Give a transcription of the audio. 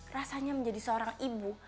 rasanya menjadi seorang ibu